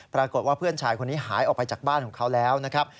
ปรากฏว่าเพื่อนชายคนนี้หายออกไปจากบ้านของเขาแล้วนะครับ